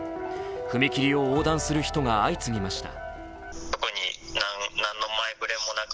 踏切を横断する人が相次ぎました。